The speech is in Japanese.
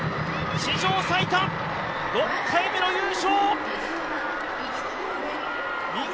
史上最多６回目の優勝。